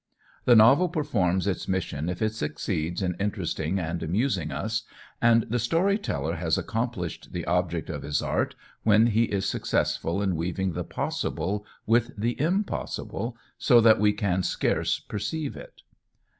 The novel performs its mission if it succeeds in interesting and amusing us, and the story teller has accomplished the object of his art when he is successful in weaving the possible with the impossible, so that we can scarce perceive it.